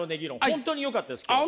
本当によかったです今日は。